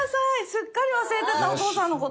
すっかり忘れてたお父さんのこと。